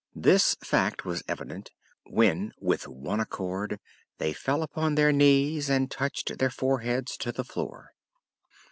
This fact was evident when with one accord they fell upon their knees and touched their foreheads to the floor.